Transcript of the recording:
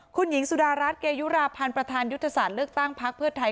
คุณหญิงสุดารัฐเกยุราพันธ์ประธานยุทธศาสตร์เลือกตั้งพักเพื่อไทย